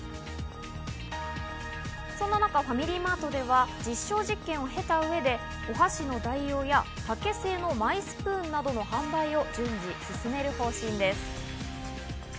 そんな中、ファミリーマートでは実証実験を経た上でお箸の代用や、竹製のマイスプーンなどの販売を順次進める方針です。